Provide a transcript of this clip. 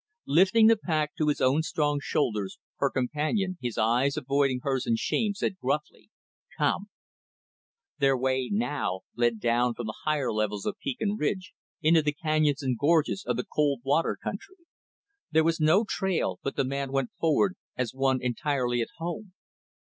Lifting the pack to his own strong shoulders, her companion his eyes avoiding hers in shame said gruffly, "Come." Their way, now, led down from the higher levels of peak and ridge, into the canyons and gorges of the Cold Water country. There was no trail, but the man went forward as one entirely at home.